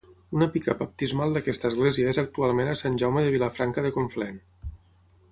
Una pica baptismal d'aquesta església és actualment a Sant Jaume de Vilafranca de Conflent.